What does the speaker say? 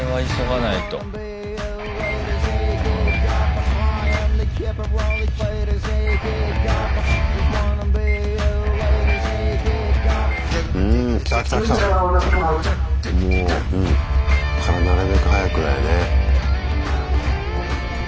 なるべく早くだよね。